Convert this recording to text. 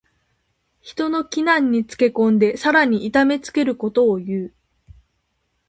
人の危難につけ込んでさらに痛めつけることをいう。